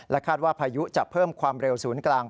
คาดว่าพายุจะเพิ่มความเร็วศูนย์กลาง